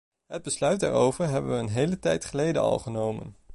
Het besluit daarover hebben we een hele tijd geleden al genomen.